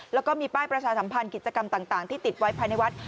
แล้วก็มีป้ายประชาสัมพันธ์กิจกรรมต่างที่ติดไว้ภายในวัด